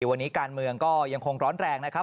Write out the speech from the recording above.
วันนี้การเมืองก็ยังคงร้อนแรงนะครับ